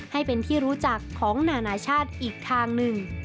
ให้เป็นที่รู้จักของนานาชาติอีกทางหนึ่ง